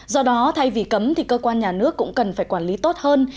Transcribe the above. do đó thay vì cấm thì cơ quan nhà nước cũng cần phải quản lý tốt hơn